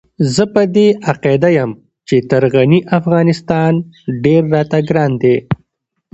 زه په دې عقيده يم چې تر غني افغانستان ډېر راته ګران دی.